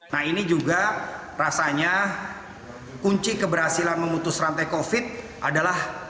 nah ini juga rasanya kunci keberhasilan memutus rantai covid adalah